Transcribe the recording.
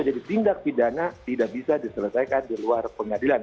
penyelesaian kasus ini tidak bisa diselesaikan di luar pengadilan